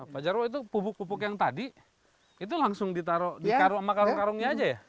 pak jarum itu pupuk pupuk yang tadi itu langsung ditaruh di karung sama karung karungnya aja ya